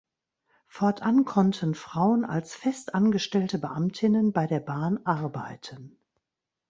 Fortan konnten Frauen als festangestellte Beamtinnen bei der Bahn arbeiten.